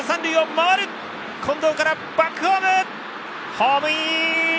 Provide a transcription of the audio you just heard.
ホームイン！